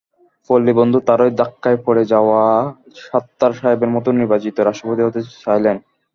পল্লিবন্ধু তাঁরই ধাক্কায় পড়ে যাওয়া সাত্তার সাহেবের মতো নির্বাচিত রাষ্ট্রপতি হতে চাইলেন।